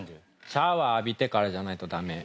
シャワー浴びてからじゃないと駄目。